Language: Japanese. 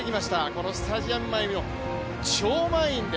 このスタジアム内も超満員で